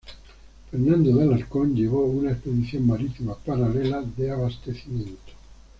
Fernando de Alarcón llevó una expedición marítima paralela de abastecimiento.